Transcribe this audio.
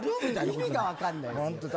意味が分かんない。